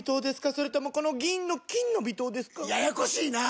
それともこの銀の「金の微糖」ですか？ややこしいなぁ！